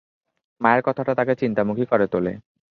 মায়ের কথাটা তাকে চিন্তামুখী করে তোলে।